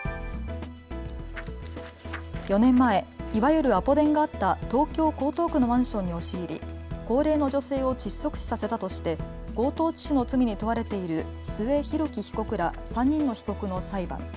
４年前、いわゆるアポ電があった東京江東区のマンションに押し入り高齢の女性を窒息死させたとして強盗致死の罪に問われている須江拓貴被告ら３人の被告の裁判。